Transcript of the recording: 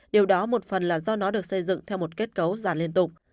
điều đó một phần là do nó được xây dựng theo một kết cấu già liên tục